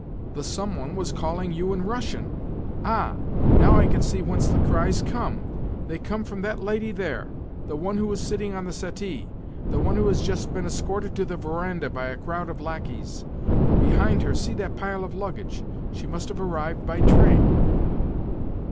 The someone was calling you in Russian. Ah! NOW I can see whence the cries come. They come from that lady there—the one who is sitting on the settee, the one who has just been escorted to the verandah by a crowd of lacqueys. Behind her see that pile of luggage! She must have arrived by train."